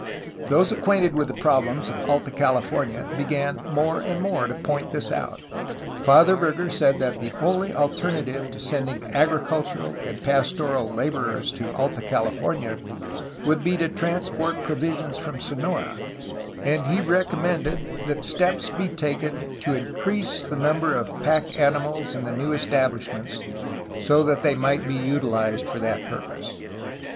Those acquainted with the problems of Alta California began more and more to point this out. Father Verger said that the only alternative to sending agricultural and pastoral laborers to Alta California would be to transport provisions from Sonora, and he recommended that steps be taken to increase the number of pack animals in the new establish ments so that they might be utilized for that purpose.